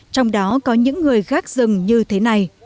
trong đó có những người gác rừng như thế này